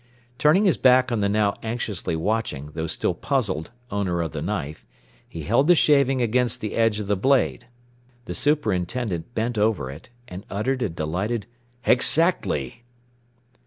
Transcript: Turning his back on the now anxiously watching, though still puzzled, owner of the knife, he held the shaving against the edge of the blade. The superintendent bent over it, and uttered a delighted "Exactly!"